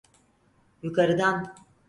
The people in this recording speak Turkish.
Yukarıdan.